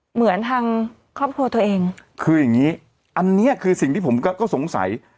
เหมือนทางครอบครัวตัวเองคืออย่างงี้อันเนี้ยคือสิ่งที่ผมก็สงสัย